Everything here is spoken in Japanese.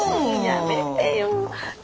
やめてよ。